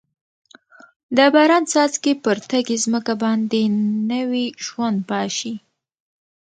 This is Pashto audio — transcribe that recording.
د باران څاڅکي پر تږې ځمکه باندې نوي ژوند پاشي.